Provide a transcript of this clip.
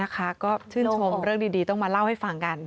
ก็ชื่นชมเรื่องดีต้องมาเล่าให้ฟังกัน